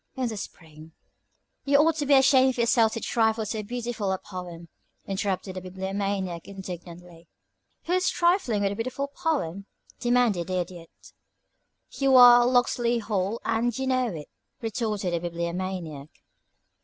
In the spring " "You ought to be ashamed of yourself to trifle with so beautiful a poem," interrupted the Bibliomaniac, indignantly. "Who's trifling with a beautiful poem?" demanded the Idiot. "You are 'Locksley Hall' and you know it," retorted the Bibliomaniac.